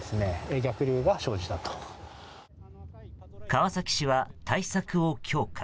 川崎市は対策を強化。